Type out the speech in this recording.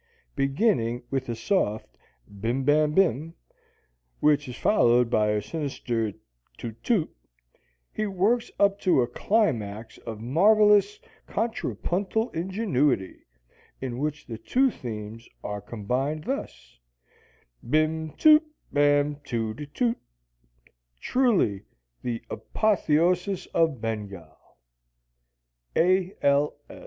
Beginning with a soft bim bam bim, which is followed by a sinister toot, toot, he works up to a climax of marvelous contrapuntal ingenuity, in which the two themes are combined thus: Bim, toot, bam, toot a toot, Truly the apotheosis of Bengal! A. L.